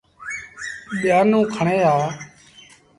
ٻيآنون کڻي آ۔